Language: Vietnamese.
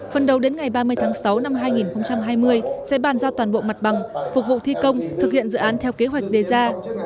phần đầu đến ngày ba mươi tháng sáu năm hai nghìn hai mươi sẽ bàn giao toàn bộ mặt bằng phục vụ thi công thực hiện dự án theo kế hoạch đề ra